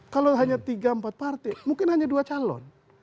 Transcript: kalau hanya tiga empat partai mungkin hanya dua calon